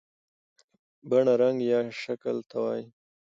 بڼه رنګ یا شکل ته وایي.